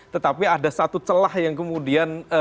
tetapi ada satu celah yang kemudian